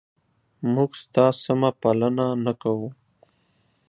موږ ستا سمه پالنه نه کوو؟